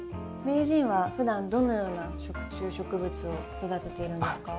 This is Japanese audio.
名人はふだんどのような食虫植物を育てているんですか？